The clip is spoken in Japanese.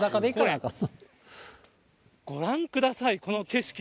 ご覧ください、この景色。